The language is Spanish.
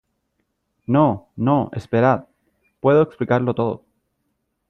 No , no , esperad . Puedo explicarlo todo .